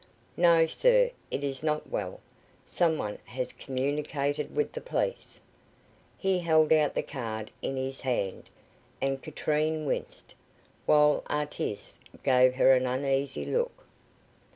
"No, sir, it is not well. Someone has communicated with the police." He held out the card in his hand, and Katrine winced, while Artis gave her an uneasy look.